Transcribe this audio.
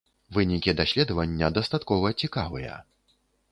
Вынікі даследавання дастаткова цікавыя.